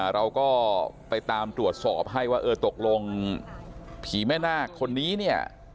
เราก็ไปตามตรวจสอบให้ว่าเออตกลงผีแม่นาคคนนี้เนี่ย